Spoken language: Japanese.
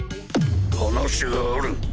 話がある。